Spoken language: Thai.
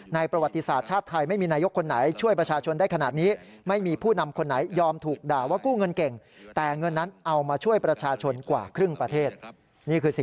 ในประวัติศาสตร์ชาติไทยไม่มีนายยกคนไหนช่วยประชาชนได้ขนาดนี้